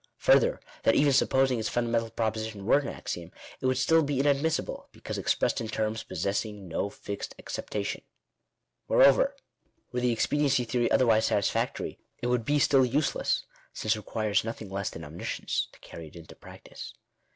Further, that even supposing its fundamental proposition were an axiom, it would still be inadmissible, because expressed in terms possessing no fixed acceptation. Moreover, were the expediency theory otherwise satisfactory, it would be still useless ; since it requires nothing less than omniscience to carry it into practice.